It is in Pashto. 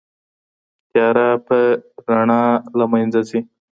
تياره په رڼا له منځه ځي.